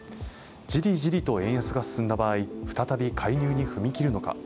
じりじりと円安が進んだ場合、再び介入に踏み切るのか。